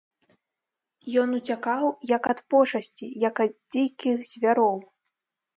Ён уцякаў, як ад пошасці, як ад дзікіх звяроў.